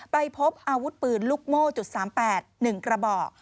ไปพบอาวุธปืนลูกโม้๓๘หนึ่งกระบอก